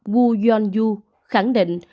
wu yunyu khẳng định